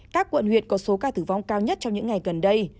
các quận huyện có số ca tử vong cao nhất trong những ngày gần đây